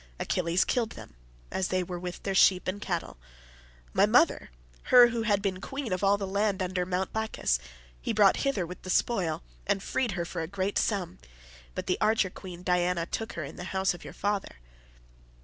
Achilles killed them as they were with their sheep and cattle. My mother—her who had been queen of all the land under Mt. Placus—he brought hither with the spoil, and freed her for a great sum, but the archer queen Diana took her in the house of your father.